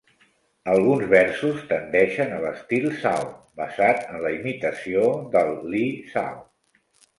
Alguns versos tendeixen a l'estil "sao", basat en la imitació del "Li sao".